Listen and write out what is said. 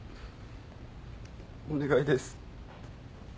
お願いです